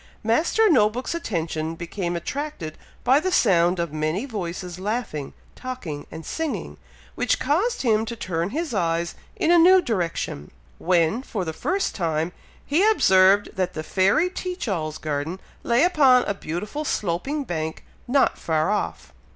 Master No book's attention became attracted by the sound of many voices laughing, talking, and singing, which caused him to turn his eyes in a new direction, when, for the first time, he observed that the fairy Teach all's garden lay upon a beautiful sloping bank not far off.